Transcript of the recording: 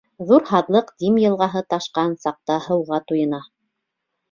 Ҙур һаҙлыҡ Дим йылғаһы ташҡан саҡта һыуға туйына.